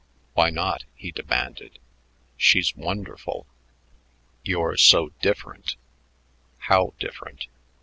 "Why not?" he demanded. "She's wonderful." "You're so different." "How different?